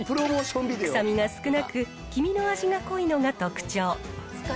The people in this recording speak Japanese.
臭みが少なく、黄身の味が濃いのが特徴。